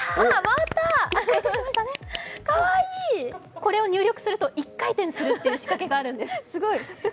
これを入力すると１回転するという仕掛けがあるんです。